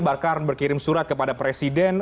bahkan berkirim surat kepada presiden